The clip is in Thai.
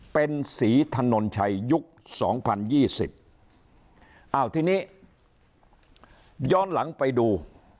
เป็นศรีถนนชัยยุคสองพันยี่สิบอ้าวทีนี้ย้อนหลังไปดู